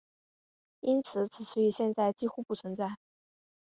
因此此词语现在几不存在。